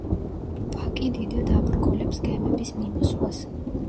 პაკი დიდად აბრკოლებს გემების მიმოსვლას.